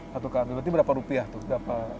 satu karun berarti berapa rupiah tuh